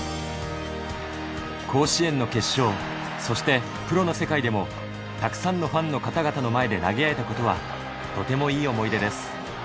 甲子園の決勝、そしてプロの世界でもたくさんのファンの方々の前で投げ合えたことは、とてもいい思い出です。